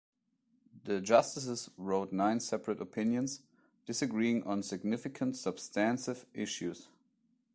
The justices wrote nine separate opinions, disagreeing on significant substantive issues.